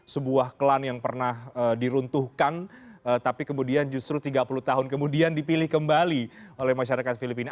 sebuah klan yang pernah diruntuhkan tapi kemudian justru tiga puluh tahun kemudian dipilih kembali oleh masyarakat filipina